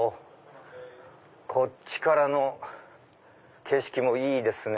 こっちからの景色もいいですね。